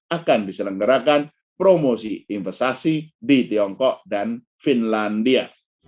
akan diselenggarakan promosi investasi di tiongkok dan finlandia